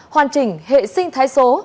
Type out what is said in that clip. hoàn trình hệ sinh thái số